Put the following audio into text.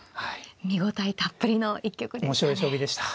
見応えたっぷりの一局でした。